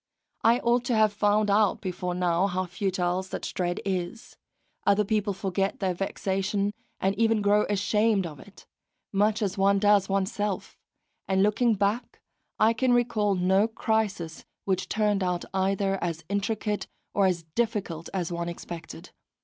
I ought to have found out before now how futile such dread is; other people forget their vexation and even grow ashamed of it, much as one does oneself; and looking back I can recall no crisis which turned out either as intricate or as difficult as one expected.